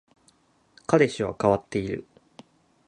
彼氏は変わっている